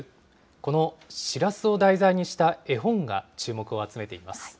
このしらすを題材にした絵本が注目を集めています。